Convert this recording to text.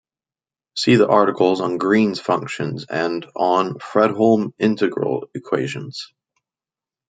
See the articles on Green's functions and on Fredholm integral equations.